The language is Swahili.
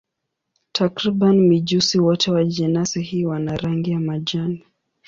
Takriban mijusi wote wa jenasi hii wana rangi ya majani.